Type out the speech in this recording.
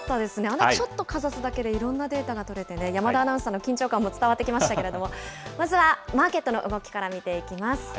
あのちょっとかざすだけで、いろんなデータが取れてね、山田アナウンサーの緊張感も伝わってきましたけれども、まずはマーケットの動きから見ていきます。